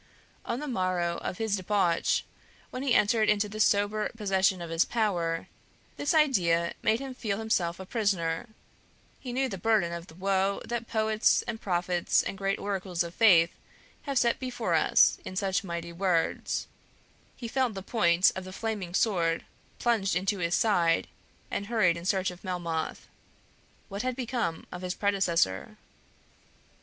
On the morrow of his debauch, when he entered into the sober possession of his power, this idea made him feel himself a prisoner; he knew the burden of the woe that poets, and prophets, and great oracles of faith have set forth for us in such mighty words; he felt the point of the Flaming Sword plunged into his side, and hurried in search of Melmoth. What had become of his predecessor?